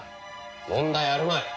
問題あるまい。